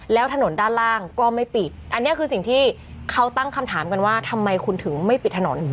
แล้วถนนด้านล่างก็ไม่ปิดอันนี้คือสิ่งที่เขาตั้งคำถามกันว่าทำไมคุณถึงไม่ปิดถนน